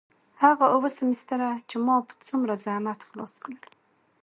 هغه اووه سمستره چې ما په څومره زحمت خلاص کړل.